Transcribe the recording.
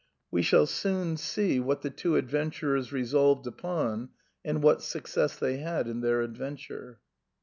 We shall soon see what io6 SIGNOR FORMICA. the two adventurers resolved upon, and what success they had in their adventure.